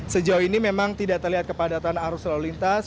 sejauh ini memang tidak terlihat kepadatan arus lalu lintas